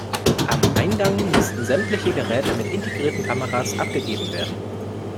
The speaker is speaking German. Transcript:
Am Eingang mussten sämtliche Geräte mit integrierten Kameras abgegeben werden.